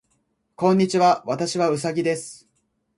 こんにちは。私はうさぎです。